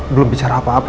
belum bicara apa apa